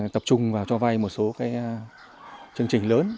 tập trung vào cho vay một số chương trình lớn